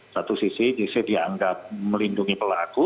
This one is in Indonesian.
satu sisi jc dianggap melindungi pelaku